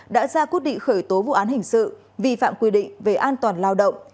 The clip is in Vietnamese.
đã ra quyết định khởi tố vụ án hình sự vi phạm quy định về an toàn lao động